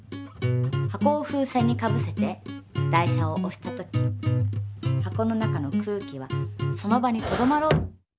箱を風船にかぶせて台車をおした時箱の中の空気はその場にとどまろう。